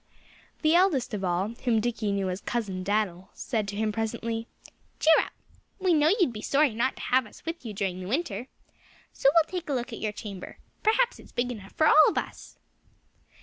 The eldest of all, whom Dickie knew as Cousin Dan'l, said to him presently: "Cheer up! We know you'd be sorry not to have us with you during the winter. So we'll take a look at your chamber. Perhaps it's big enough for all of us."